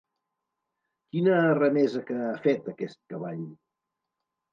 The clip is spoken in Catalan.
Quina arremesa que ha fet, aquest cavall.